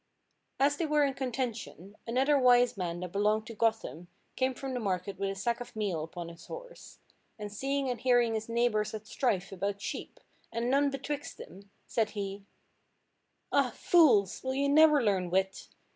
As they were in contention, another wise man that belonged to Gotham came from the market with a sack of meal upon his horse, and seeing and hearing his neighbours at strife about sheep, and none betwixt them, said he— "Ah, fools! will you never learn wit?